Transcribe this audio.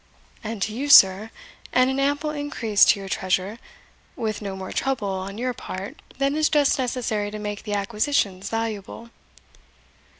"And to you, sir, and an ample increase to your treasure, with no more trouble on your part than is just necessary to make the acquisitions valuable."